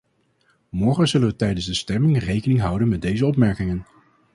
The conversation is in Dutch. Morgen zullen we tijdens de stemming rekening houden met deze opmerkingen.